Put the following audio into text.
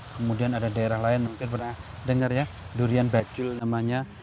kemudian ada daerah lain mungkin pernah dengar ya durian bajul namanya